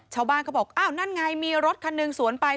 เขาบอกอ้าวนั่นไงมีรถคันหนึ่งสวนไป